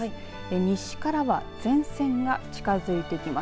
西からは前線が近づいてきます。